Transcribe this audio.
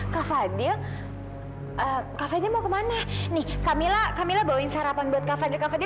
kafadil kafadil mau kemana nih camilla camilla bawain sarapan buat kafadil kafadil